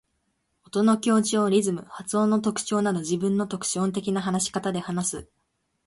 音の強調、リズム、発音の特徴など自分の特徴的な話し方で話す。